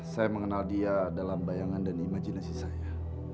saya mengenal dia dalam bayangan dan imajinasi saya